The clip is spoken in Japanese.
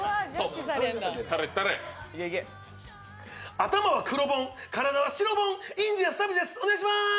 頭は黒ボン、体は白ボン、インディアンス田渕です。